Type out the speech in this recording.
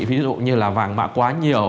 ví dụ như là vàng mã quá nhiều